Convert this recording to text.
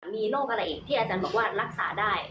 มีโรคอะไรอีกที่อาจารย์บอกว่ารักษาได้